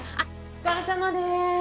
お疲れさまでーす。